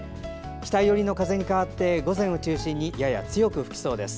北寄りの風に変わって午前を中心にやや強く吹きそうです。